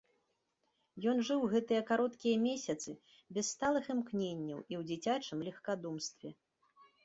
Ён жыў гэтыя кароткія месяцы без сталых імкненняў і ў дзіцячым легкадумстве.